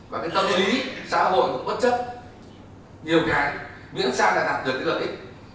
và cái tâm lý xã hội cũng bất chấp nhiều cái miễn sao là đạt được cái lợi ích